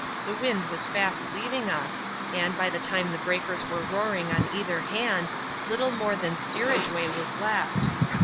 [chap, xxvl the wind was fast leaving us, and, by the titne the breakers were roaring on either hand, little more than steerage waj was left.